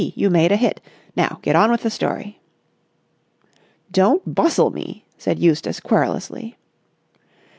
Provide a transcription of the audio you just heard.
You made a hit. Now get on with the story." "Don't bustle me," said Eustace querulously.